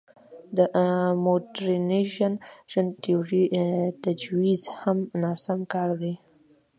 د موډرنیزېشن تیورۍ تجویز هم ناسم کار دی.